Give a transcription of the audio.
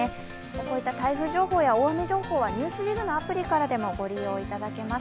こういった台風情報や大雨情報は「ＮＥＷＳＤＩＧ」のアプリからもご利用いただけます。